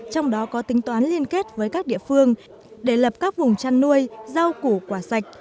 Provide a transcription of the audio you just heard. trong đó có tính toán liên kết với các địa phương để lập các vùng chăn nuôi rau củ quả sạch